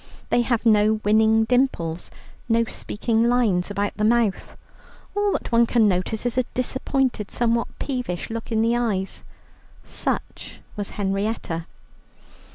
They have no winning dimples, no speaking lines about the mouth. All that one can notice is a disappointed, somewhat peevish look in the eyes. Such was Henrietta.